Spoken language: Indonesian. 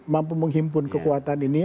mampu menghimpun kekuatan ini